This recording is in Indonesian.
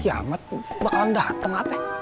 kiamat bakalan dateng apa